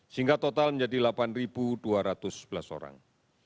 sehingga total menjadi delapan dua ratus sebelas orang